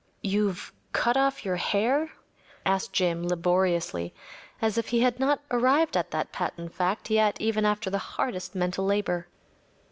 ‚ÄĚ “You’ve cut off your hair?‚ÄĚ asked Jim, laboriously, as if he had not arrived at that patent fact yet even after the hardest mental labor.